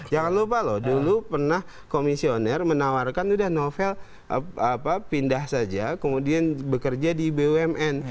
jangan lupa loh dulu pernah komisioner menawarkan sudah novel pindah saja kemudian bekerja di bumn